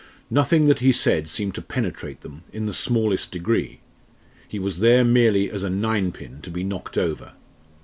Nothing that he said seemed to penetrate them in the smallest degree. He was there merely as a ninepin to be knocked over.